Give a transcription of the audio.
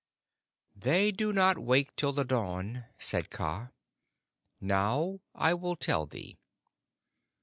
"They do not wake till the dawn," said Kaa. "Now I will tell thee.